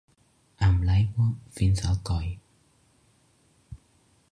Amb l'aigua fins al coll.